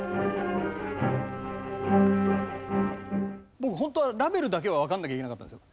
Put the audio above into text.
僕ホントはラヴェルだけはわかんなきゃいけなかったんですよ。